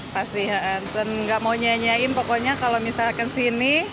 pasti nggak mau nyanyiin pokoknya kalau misalnya kesini